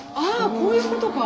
こういうことか。